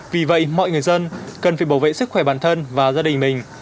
vì vậy mọi người dân cần phải bảo vệ sức khỏe bản thân và gia đình mình